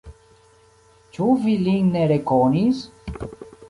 Ĉu vi lin ne rekonis?